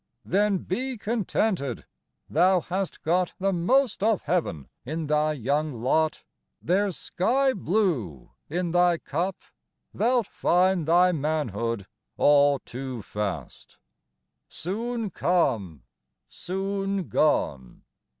XX. Then be contented. Thou hast got The most of heaven in thy young lot; There's sky blue in thy cup! Thou'lt find thy Manhood all too fast Soon come, soon gone!